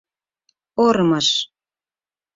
Ормыж...